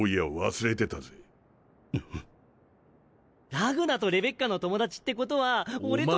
ラグナとレベッカの友達ってことは俺とも。